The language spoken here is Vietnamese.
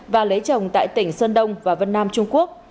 và lấy chồng tại tỉnh sơn đông và vân nam trung quốc